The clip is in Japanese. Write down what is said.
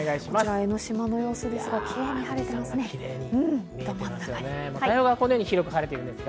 江の島の様子ですが、キレイに晴れてますね。